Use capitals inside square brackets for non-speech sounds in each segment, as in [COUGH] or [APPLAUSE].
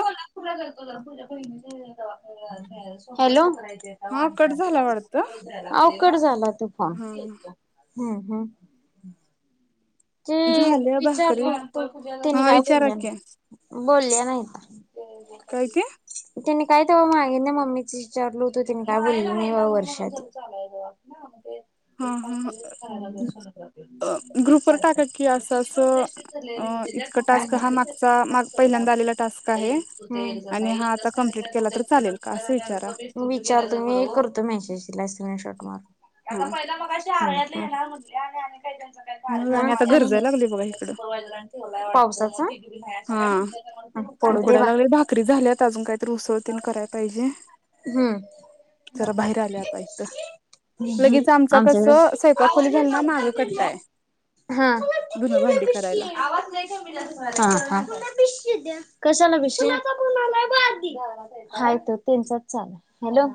कोल्हापूरला दाखवले तुझ्या बहिणीला [UNINTELLIGIBLE] हॅलो हा कट झाला वाटत आ ओ कट झाला तो फॉ हा हम् हम. जे झाले विचारल भाकरी होत तेनी हा काय विचारा बोलल्यात. की बोलल्या नाहीत. काय ते? त्यांनी काय तेव्हा मागे ना मम्मीच विचारल होत, तेनी काय बोलली नाईत बा वर्षात हा एक पाय हा [UNINTELLIGIBLE] कराय लावलीया सोनोग्राफी एक ग्रुपवर सार टाका की ह्म्म असं असं अ इतकं टास्क हा मागचा माग पहिल्यांदा आलेला टास्क आहे आणि हा आता कंप्लीट केला तर चालेल का असं विचारा विचारतो मी करतो मॅसेज तिला स स्क्रिन शाॅट मार. आता हा पहिला मगाशी आवळ्यात मी काय न्हाय म्हणटलीया काय आणि काहीजणच मग आणि आता गरजाय लागलंय बघा हिकडं. हा उकडाय लागलय भाकरी झाल्यात अजून काहीतरी उसळ तेन कराय पाहिजे. हम्म जरा बाहेर आले आता इथं लगेच आमचा कसं अमच्याकड स्वयंपाक खोली आवाज झालं ना मागं कट्टा आहे हां. हा धुनं भांडी करायला हा मम्मे बिशी दे कशाला बिशी? कोणाचा फोन आलाय बघ आधी हाय त्यो तेंचाच. चालेल हॅलो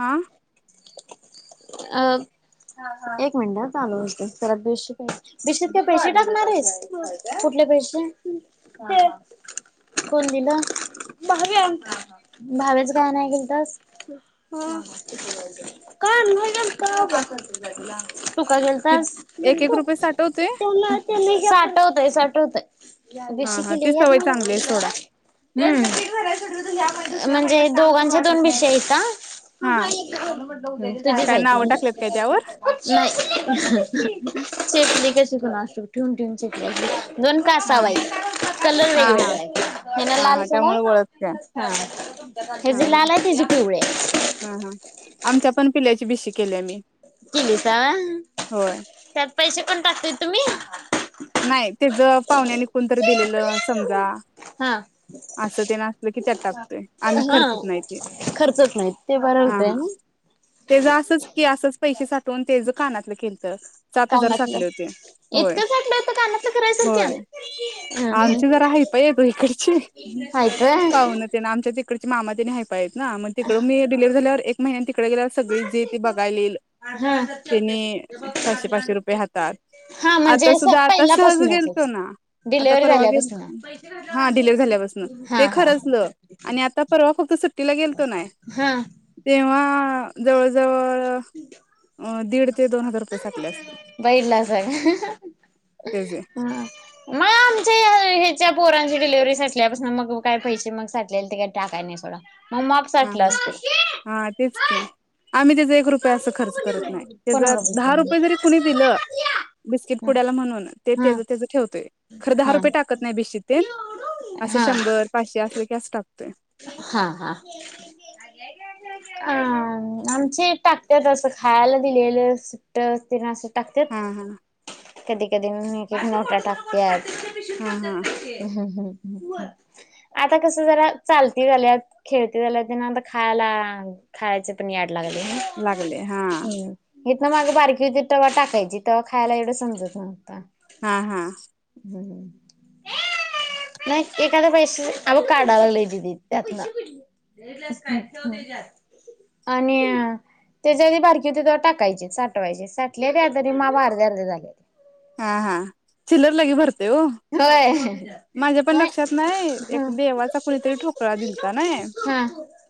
हा अ एक मिनट हं चालू राहू दे त्याला बिशी पाहिजे. बिशीत काय पैशे टाकनार हायीस कुठले पैशे कोणी दिलं? भाव्यान भाव्याच काय आणाय गेलतास. काम नाही का [UNINTELLIGIBLE] तू का कि गेलतास एक एक गेलतो रुपये साठवतोय [UNINTELLIGIBLE] साटवतय साठवतय हा बिशी हा ती केलिया सवय चांगली आहे सोडा म्हंजे दोघांच्या दोन बिशि हायीता. हा हि तुझीच काय हाय नावं तुझीच टाकलेत काय त्यावर [INAUDIBLE] हा चेपलिय कशी तिकड आशू ठीवून ठिवून चेपली असल. दोन कासाव हाईत कलर हा वेगवेगळा हा हाय ह्येनं हा लाल हा केला त्यामुळे ओळखत्या हं हा ह्याजी हा लाल हाय त्याजी पिवळी हाय. हा हा आमच्या पण पिल्याची बिशी केली आम्ही. किलीसा हा त्यात पैसे कोण टाकतय तुम्ही? नाय तेजं पाहुण्याने कोणीतरी दिलेलं समजा, हा असं ते न असलं की त्यात टाकतोय आम्ही हा खर्चत नाही. ते खर्चच नाहीत ते बरं अं होतय हं ना त्याचं असंच कि असंच पैसे साठ तोन त्येचं कानातलं केलं. [INAUDIBLE] कानातलं इतकं साठलेत कानातलं कराय सारख्या होय आमची जरा हायफाय हायती वो इकडची ह आहेत व्हय पावनं न ते आमच्या तिकडची मामा त्यांनी हायत आहेत ना मग तिकड मी हे डिलेवरी झाल्यावर एक महिन्यानी तिकडे गेल्यावर सगळी जी ती बघायला यिल हा तेंनी पाचशे, पाचशे रुपये हातात हा म्हणजे आता असं सुद्धा आता सहज गेलतो पहिल्यापासूनचच ना आता डिलेव्हरी परवा गेल झाल्यापासून हा डिलेवरी झाल्यापस्न हा ते हा खरंचलं आणि आता परवा फक्त तीला गेलतो नाय हा तेव्हा जवळ, जवळ अ दीड ते दोन हजार रुपये साटल्यात बघितलासा का त्याचे म आम ह्याच्या पोरांची डिलिव्हरी साटल्यापासून मग काय पैसे मग साटले ते काही टाकाय नाही सोडा मं माप हा साटलं असतील हा तेच की आम्ही त्याचा एक रुपये असं खर्च करत नाही कोणावर त्याचं दहा बोलते रुपये जरी कुणी दिलं बिस्किट हा म्हणून तेज, हा तेज ठेवतोय खरं दहा हा रुपये टाकत नाही बिशीतेन असं हा शंभर पाचशे असले की अस टाकतो हा, हा अ आमचे टाकट्या खायला दिलेलं सुट्ट येन असं हा हा टाकतेत कधी कधी मी नोट्या टाकत्यात ह, ह हो आता कस जरा चालती झाल्यात, खेळती झाल्या त नंत खायला खायचे पण याड लागले हा येत ना माग बारकीती तवा टाकायची तवा खायला एवढं समजत नव्हत ह, ह नाही एखादा पैसे अग काढावा ल दि त्यात आणि त्याच्या आधी बारकी होती ते्हा टाकायचे साठवायचे साठले का तरी माप आर्धी, आर्धी झाले हा, हा चिलर लगे भर होय माझ्या पण नाही लक्षात नाही एक ह. देवाचा कुणीतरी ठोकळा दिलता नाही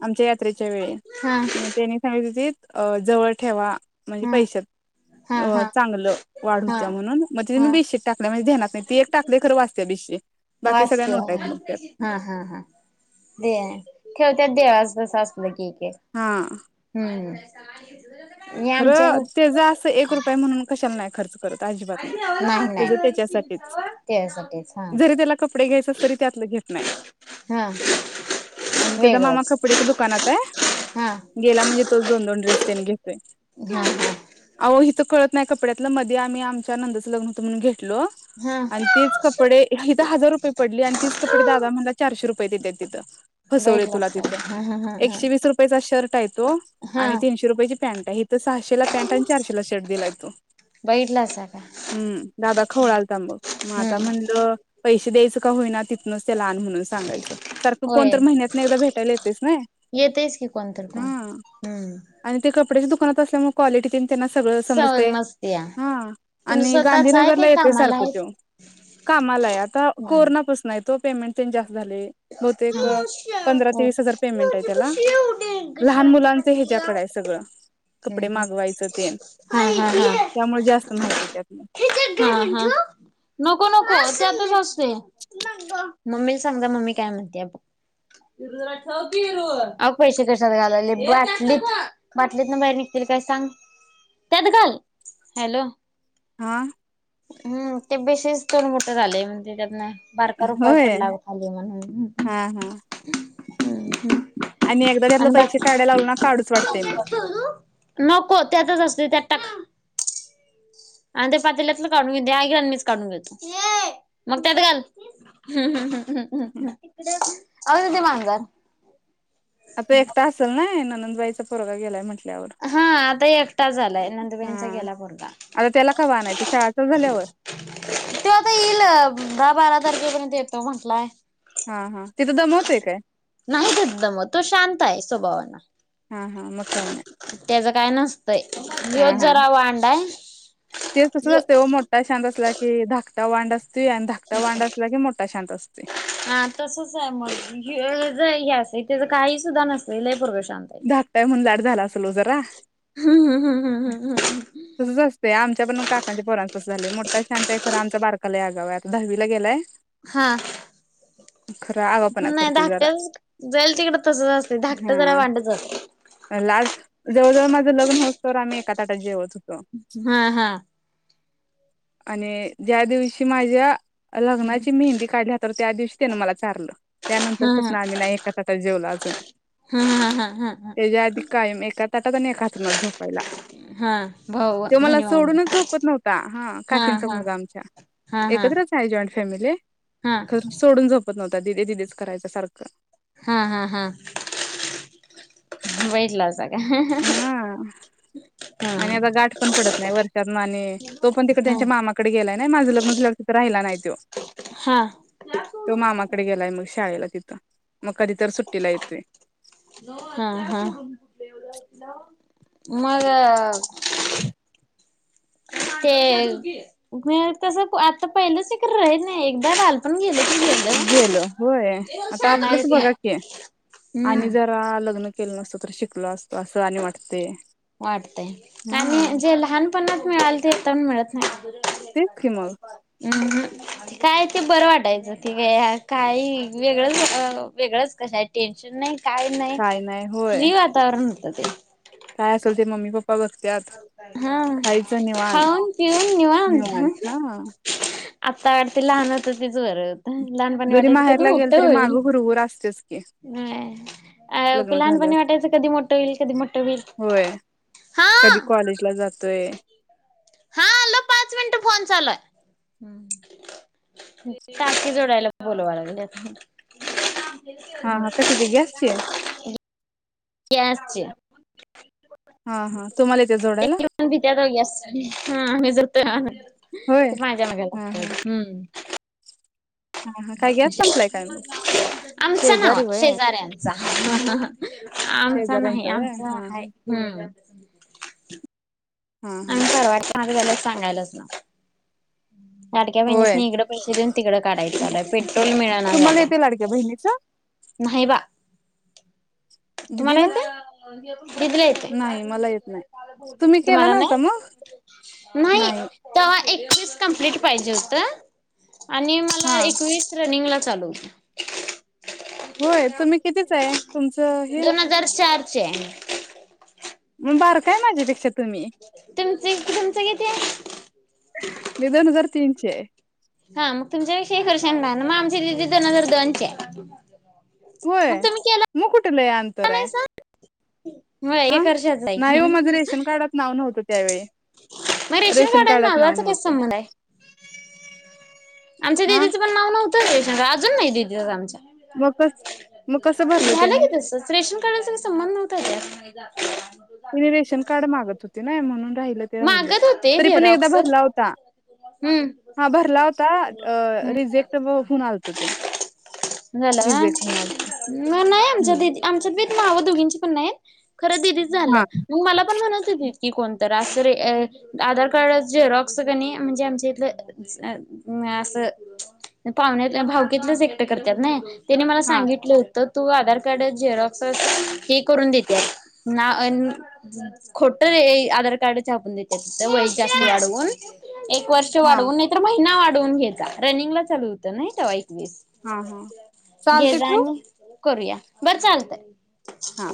आमच्या यात्रेच्या वेळी हा हा मग त्यांनी सांगित जवळ ठेवा म्हणजे हा पैशात हा हा चांगलं वाढ हा. होत्या म्हणून मग तुम्ही हा बेशी टाकल्या म्हणजे ध्येना नाही ती एक टाकले खरं वाचते बिशी वाचते हा हा हा देआ खेळ त्या देआ असस असलं की! के हा हम्म. काय हेज खरं ते जा असं एक रुपये म्हणून कशाला नाही खर्च करत. त अजिबात नाही, हिजा त्याच्यासाठीच त्यासाठीच हा जरी त्याला कपडे घ्यायचे तरी त्यातलं घेत नाही हा आणि त्याचा मामा वेगळंच कपड्याच्या दुकानात आहे, हा गेला म्हणजे तोच दोन-दोन ड्रेस त्यांनी गीन हा हा आव हिथं कळत नाही कपड्यातल मध्ये आम्ही आमच्या नंदचं लग्न होत म्हणून घे टलो हा. आणि तेच कपडे हिथं हजार रुपये पडले आणि तीच कपडे दादा म्हणला चारशे रुप पहिले त्या तिथं फसवलय तुला बैठलासा तिथं हा हा हा हा एकशे वीस रुपयाचा शर्ट हाय तो हा आणि तीनशे रुपयाची पैंट ही ते सहाशेला पॅन्ट आणि चारशेला शर्ट दिलाय तो बैठलासा का हम्म दादा. खोळाल तांबं म आता हम्म म्हणलं पैसे द्यायंच का होईना तिथनचं त्याला आण म्हणून सांगायचं. सारखं होय कोणतर महिन्यातन एकदा भेटायला येतेस ना येतेच की कोणतर कोण हा हम्म आणि [UNINTELLIGIBLE] दुकानात असल्यामुळ क्वालिटी तेन त्यांना सगळं सवय समजतय मस्तीया हा तुमचं आणि स्वतःच आहे गांधीनगरला काय येतोय कामाला सारखं आहेत तो कामालाय आता कोरोनापासनय तो पेमेट त्यांजा हा ते ओ. वीस हजार पेमेंट आहे त्याला लहान मुलांच ह्याच्याकडे आहे सगळं कपडे मागवायचा तेन, हा हा हा त्यामुळे जास्त माहिती हाय त्यातीन हा हा नको मम्मीला सांग जा मम्मी काय म्हणतीया बघ अहो पैसे कशात घालालीया बाटलीत बाटलीत न बाहेर निघतील काय सांग त्यात घाल हॅलो हा हम्म ते बेशिस्त मोटर आले म्हणजे त्यातना बारका रुपया होय पडला बघ खाली म्हणून हा हा. हं हम्म. आणि एकदा त्यातलं आणि पैसे काढायला बाकी लागलो ना काढूच वाटतंय मग. नको त्यातच असतय त्यात टाक आणि ते पातल्यातलं काढून घेतीया इकडं आन मीच काढून घेतो मग त्यात घाल हम्म हम्म हम्म. हम्म हम्म हम्म. आल ते माांजार आता एकट असेल नाय ननंद ताईचा पोरगा गेलाय म्हटल हा आता एक झालाय नंदबाईंचा हा. गेला पोरगा आता त्याला कवा आणायचं शाळा चालू झाल्यावर तो आता येईल दहा बारा तारखेपर्यंत येतो म्हणटलाय हा हा तिथं दमावतोय काय? नाही तीथ दमवत तो शांत आहे स्वभावान हा हा मग काय नाही. त्याच काय नस हा ह्योच हा जरा वांड आहे ते तसचं असतयं हो मोठा शांत असला ते धाकटा वांड अस ते धाकटं वांड असलं की मोठं मोठा शांत असतोय हां तसचं आहे मग [UNINTELLIGIBLE] तेजं काही सुद्धा नसतं लय पोरग शांत आहे. धाकटा हाय म्हणून लाड झाला- जरा- हम्म हम्म हम्म हम्म हम्म तसचं असतयं आमच्या पण काकांच्या पोरांच- कसं झालयं मोठा शांत आहे खरं आमचा बारका लय आगाऊ आहे, आता दहावीला गेलायं हां आगावपणा नाही करतोय जरा धाकटं- जाईल तिकडं तसचं असतयं, धाकटा जरा हा. वांड लाड जवळजवळ माझं लग्न होईस्तोवर आम्ही एका ताटात जेवत हो हां हां- आणि ज्या दिवशी माझ्या लग्नाची मेहंदी काढली हातावर त्या दिवशी त्याने मला चाारलं त्यानंतर हा हा पासून आम्ही नाही एका ताटात जेवलो अजून हा हा हा हा हा त्याच्या आधी कायम एका ताट त्यात आणि एका अंथरुणात झोपायला हा भाऊ त्यो मला बहिणी भावंड सोडूनच झोपत नव्हता हा काकींचा मुलगा आमच्या हा हा एकत्रच आहे जॉइंट फॅमिली हा खर सोडून झोप एकत नव्हता, दीदे दीदेच करायचा सारखं. हा हा हा वाईट लाज हा आणि आता गाठ पण पडत नाही वर्षातन आणि, तो पण तिकडे त्यांच्या मामाकडे गेलाय. नाही माझं लग्न झाल्यावर तिथं राहिला नाही त्यो. हा हा तो मामाकडे गेलाय मग शाळेला. तिथं मग कधी तर सुट्टीला येतोय. हा हा मग अ [INAUDIBLE] ते व्हय तस आता पहिलासारख राहीत नाही, एकदा बालपण गेल गेल होय. आता पुन्हा आपलंच येत नाही. बघा की, हम्म आणि जरा लग्न केल नसत तर शिकलो असतो, असं आणि वाटतय. वाटतय आणि जे लहानपणात मिळाल तेतण मिळत [UNINTELLIGIBLE] तेच की मग. अहं काय ते बरं वाटायचं ते काय काही वेगळंच अ वेगळंच कसंय टेन्शन नाही काय नाही काय होय फ्री वातावरण. त ते. काय असलं ते मम्मी पप्पा बघत्यात हा खायचं निवांत खाऊन पिऊन निवात. निवांत ह ह हा आत्ता वाटतय लहान होतो तेच बर. जरी माहेरला गेल तरी माग हुरहुर असतेच की. व्हय अ लग्न झाल्यावर लहानपणी वाटायचं कधी मोट होईल, कधी मोट होईल. हा कधी कॉलेजला होय. हा आलो पाच मिनट फोन चालूय. टाकी जोडायला बोलावा लागल्यात. हा हा कशाची गॅसची? गॅसची. हा हा तुम्हाला येते जोडायला एक एक जन भित्यात ओ गॅस जोडायला, हा मी जोडतोय. ते हा. होय ते माझ्या माग हा हा लागतायत. हम्म हा हा काय गॅस संपलाय काय मग आमचं नव, शेजारी व्हय शेजऱ्यांचा. आमचा नाही, शेजाऱ्यांचा व्हय आमचा हा हाय हम्म. [UNINTELLIGIBLE] हा हा आणि परवा छान झाल सांगायल्यासा ता लाडक्या होय बहिणीसनी इकडं पैसे देऊन तिकडं काढायचं चालुय पेट्रोल मिळना तुम्हाला झालंय येते लाडक्या बहिणीच नाही बा तुम्हाला दिदीला येतय दिदिला येतय नाही मला येत नाही तुम्ही केला तुम्हाला नव्हता नाही मग नाही तवा ए वीस कंम्पलिट पाहिजे होत. आणि मला हा एकवीस रनिंगला चालू होय तुम्ही कितीच हाय तुमचं हे दोन हजार चारं ची हाय मी बारका हाय माझ्यापेक्षा तुम्ही तुमच तुमचं किती हाय मी दोन हजार तेंची ये हा मग तुमच्या पेक्षा एक वर्षानी लहान म आमची दिदी दोन हजार दोनची हाय होय मग कु ठं लई अंतर हाय नाहीसा? होय आ एक वर्षाचा आहे नाही की. हो माझ रेशन कार्डात नाव नव्हतं. त्या वेळी म रेशन कार्डाच्या नावावरचा काय संबंध हाय आमच्या हा दिदीचं पण नाव नव्ह त रेशनकार्ड अजून नाय दिदिच आमच्या मग कस मग कसं भरलं झालं त्याने की तसच रेशन कार्डाचा काय संबंध नव्हता हेच्यात [UNINTELLIGIBLE] ते रेशन कार्ड मागत होते नाय म्हणून राहिलं ते राहिलं मागत होते तरी पण एकदा झेरॉक्स. भरला होता. हम्म. हा भरला हो ता अ हम्म. रिजेक्ट होऊन आलत ते झालं. रिजेक्ट होऊन आलत हूं नावं दोघींची पण नाईत. खरं दिदीच झालं हा मग मला पण म्हणत होतीत की, कोणतर रासरे अ आधार कार्डाच झेरॉक्स कनी म्हणजे आमच्या इथलं नाय असं पाहुण्यात भाऊकीतलंच एकटं करत्यात नाय त्यानी मला हा सांगितलं होतं. तू आधार कार्ड झेडॉक्स हे करून देतीया ना खोट हे आधार कार्ड छापून देत्यात त्या वय जास्त मग वाढवून एक वर्ष हा वाढवून नाही तर महि ना वा ढवून घेयाचा रनिंगला चालू होत नयी ठेवाय हा हा घे चालते जा ठेवू आणि करूया बरं चालतय. हा.